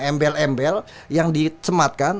embel embel yang dicematkan